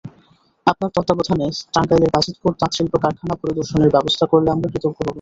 আপনার তত্ত্বাবধানে টাঙ্গাইলের বাজিতপুর তাঁতশিল্প কারখানা পরিদর্শনের ব্যবস্থা করলে আমরা কৃতজ্ঞ থাকব।